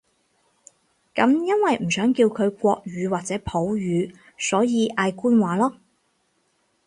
噉因為唔想叫佢國語或者普語，所以嗌官話囉